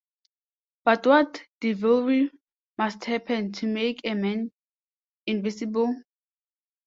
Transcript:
But what devilry must happen to make a man invisible?